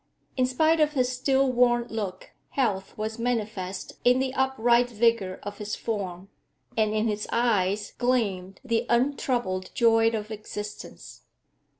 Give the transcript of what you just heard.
In spite of his still worn look, health was manifest in the upright vigour of his form, and in his eyes gleamed the untroubled joy of existence.